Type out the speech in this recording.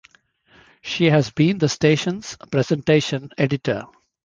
She has been the station's presentation editor.